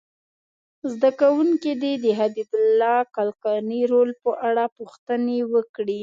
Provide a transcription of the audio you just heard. زده کوونکي دې د حبیب الله کلکاني رول په اړه پوښتنې وکړي.